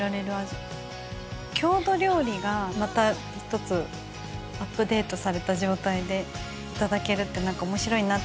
郷土料理がまた１つアップデートされた状態でいただけるって面白いなって。